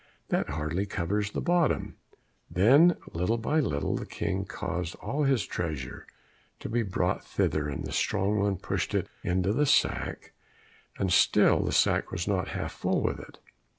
that hardly covers the bottom!" Then, little by little, the King caused all his treasure to be brought thither, and the strong one pushed it into the sack, and still the sack was not half full with it.